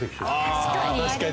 確かに。